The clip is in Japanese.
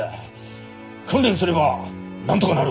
訓練すればなんとがなる。